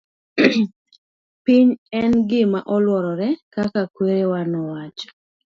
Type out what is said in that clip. piny en gima olworore kaka kwerewa nowacho